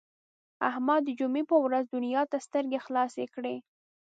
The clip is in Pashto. احمد د جمعې په ورځ دنیا ته سترګې خلاصې کړې.